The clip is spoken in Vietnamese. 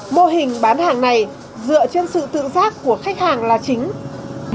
mô hình bán hàng này dựa trên sự tự giác của khách hàng là chính